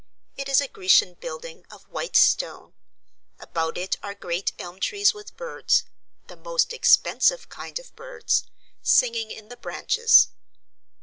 It is a Grecian building of white stone. About it are great elm trees with birds the most expensive kind of birds singing in the branches.